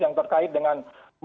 yang terkait dengan